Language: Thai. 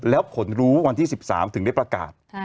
แล้วผลรู้วันที่๑๓ถึงได้ประกาศ